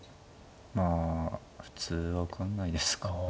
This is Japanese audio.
まあ普通分かんないですか。